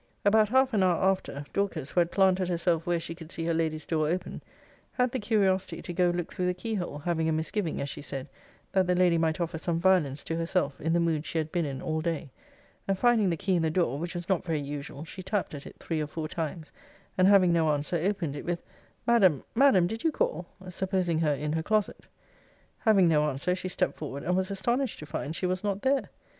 'About half an hour after, Dorcas, who had planted herself where she could see her lady's door open, had the curiosity to go look through the keyhole, having a misgiving, as she said, that the lady might offer some violence to herself, in the mood she had been in all day; and finding the key in the door, which was not very usual, she tapped at it three or four times, and having no answer, opened it, with Madam, Madam, did you call? Supposing her in her closet. 'Having no answer, she stept forward, and was astonished to find she was not there.